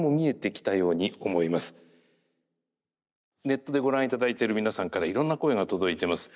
ネットでご覧いただいている皆さんからいろんな声が届いています。